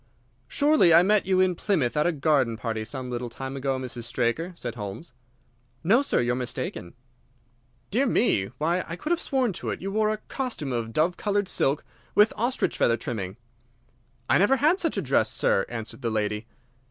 "Surely I met you in Plymouth at a garden party some little time ago, Mrs. Straker?" said Holmes. "No, sir; you are mistaken." "Dear me! Why, I could have sworn to it. You wore a costume of dove coloured silk with ostrich feather trimming." "I never had such a dress, sir," answered the lady.